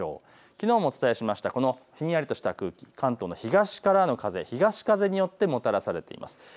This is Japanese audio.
きのうもお伝えしたひんやりとした空気、関東の東からの風によってもたらされています。